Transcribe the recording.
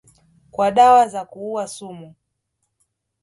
kwa dawa za kuua vijisumu